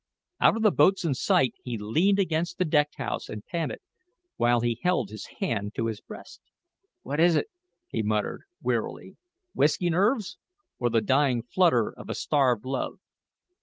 Out of the boatswain's sight he leaned against the deck house and panted, while he held his hand to his breast. "What is it?" he muttered, wearily; "whisky nerves, or the dying flutter of a starved love.